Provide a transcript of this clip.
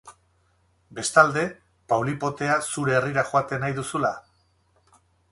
Bestalde, paulipotea zure herrira joatea nahi duzula?